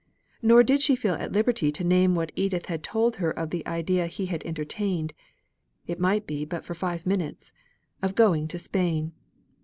Nor did she feel at liberty to name what Edith had told her of the idea he had entertained, it might be but for five minutes, of going to Spain.